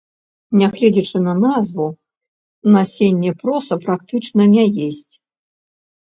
Нягледзячы на назву, насенне проса практычна не есць.